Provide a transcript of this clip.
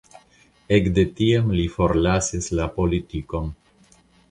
Ekde tiam li forlasis la politikon.